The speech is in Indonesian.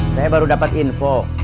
saya baru dapat info